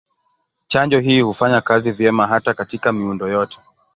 Chanjo hii hufanya kazi vyema hata katika miundo yote.